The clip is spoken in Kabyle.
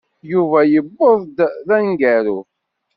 Yuba yewweḍ-d d aneggaru.